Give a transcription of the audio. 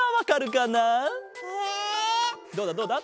どうだどうだ？